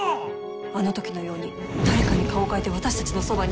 あの時のように誰かに顔を変えて私たちのそばに。